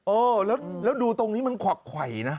เออแล้วดูตรงนี้มันขวักไขวนะ